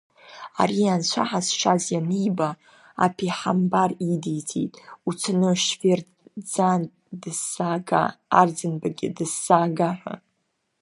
Ари Анцәа ҳазшаз ианиба, Аԥеҳамбар идиҵеит уцаны Шьеварднаӡегь дысзаага, Арӡынбагьы дысзаага ҳәа.